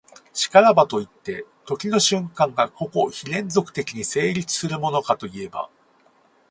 然らばといって、時の瞬間が個々非連続的に成立するものかといえば、